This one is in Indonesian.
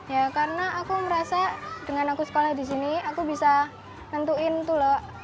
ya karena aku merasa dengan aku sekolah di sini aku bisa nentuin tuh loh